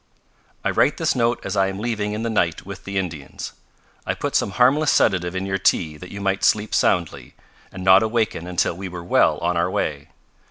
"I write this note as I am leaving in the night with the Indians. I put some harmless sedative in your tea that you might sleep soundly, and not awaken until we were well on our way.